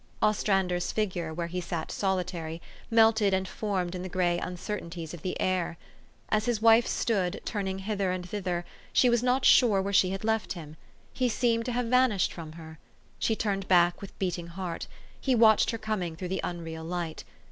Ostrander's figure, where he sat solitary, melted and formed in the gray uncertainties of the air. As his wife stood, turning hither and thither, she was not sure where she had left him. He seemed to have vanished from her. She turned back with beating heart. He watched her coming through the unreal light.